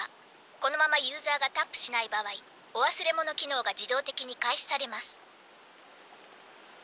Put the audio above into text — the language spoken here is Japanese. このままユーザーがタップしない場合お忘れ物機能が自動的に開始されます」。